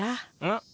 ん？